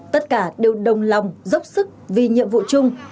tất cả đều đồng lòng dốc sức vì nhiệm vụ chung